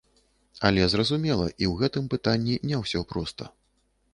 Але зразумела, і ў гэтым пытанні не ўсё проста.